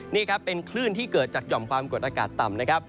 นี่ครับเป็นคลื่นที่เกิดจากหย่อมความกดอากาศต่ำนะครับ